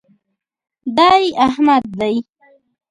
دی احمد دئ.